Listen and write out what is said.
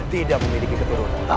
tidak memiliki keturunan